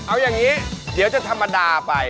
เอาอย่างนี้เดี๋ยวจะธรรมดาไป